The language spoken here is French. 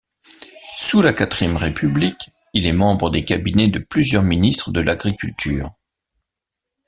Sous la quatrième République, il est membre des cabinets de plusieurs ministres de l'agriculture.